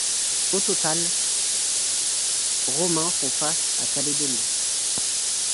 Au total, Romains font face à Calédoniens.